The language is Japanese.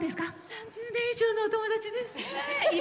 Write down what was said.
３０年以上のお友達です。